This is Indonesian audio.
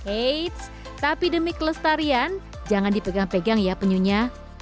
eits tapi demi kelestarian jangan dipegang pegang ya penyunya